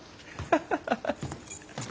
ハハハハ。